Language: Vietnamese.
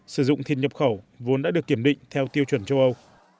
sử dụng thịt nhập khẩu vốn đã được kiểm định theo tiêu chuẩn châu âu